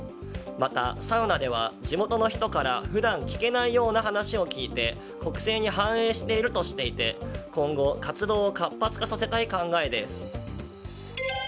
また、サウナでは地元の人から普段聞けないような話を聞いて国政に反映しているとしていて今後、活動を活発化させたい考えです。